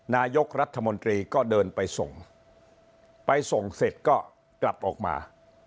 นายกรัฐมนตรีก็เดินไปส่งไปส่งเสร็จก็กลับออกมา